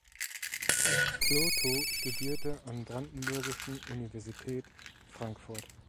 Plotho studierte an Brandenburgischen Universität Frankfurt.